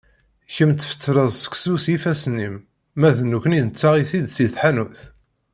Kemm tfetleḍ seksu s yiffasen-im, ma d nekni nettaɣ-it-id si tḥanut.